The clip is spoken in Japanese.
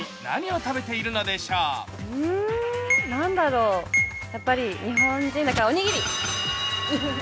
何だろう、やっぱり日本人だからおにぎり？